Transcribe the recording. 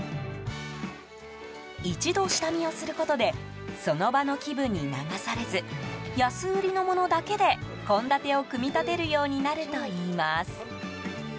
一度、下見をすることでその場の気分に流されず安売りのものだけで献立を組み立てるようになるといいます。